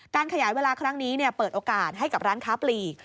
ขยายเวลาครั้งนี้เปิดโอกาสให้กับร้านค้าปลีก